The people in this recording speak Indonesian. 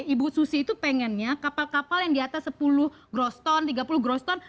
ibu susi itu pengennya kapal kapal yang di atas sepuluh groston tiga puluh groston